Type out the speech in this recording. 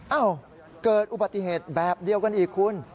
เอ้าเกิดอุบัติเหตุแบบเดียวกันอีกคุณ